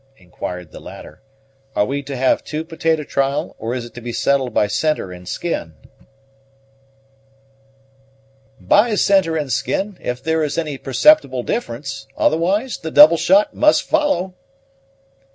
inquired the latter. "Are we to have the two potato trial, or is it to be settled by centre and skin?" "By centre and skin, if there is any perceptible difference; otherwise the double shot must follow."